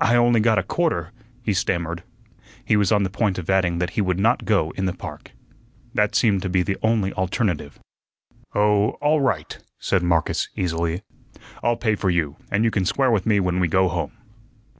"I only got a quarter," he stammered. He was on the point of adding that he would not go in the park. That seemed to be the only alternative. "Oh, all right!" said Marcus, easily. "I'll pay for you, and you can square with me when we go home."